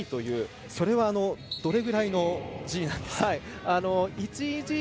それはどれぐらいのＧですか？